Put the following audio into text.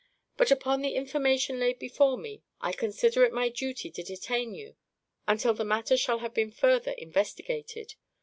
But upon the information laid before me, I consider it my duty to detain you until the matter shall have been further investigated.